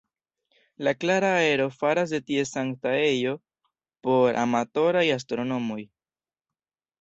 La klara aero faras de tie sankta ejo por amatoraj astronomoj.